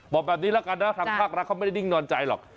บอกแบบนี้แล้วกันนะทางภาครัฐเขาไม่ได้ดิ้งนอนใจหรอก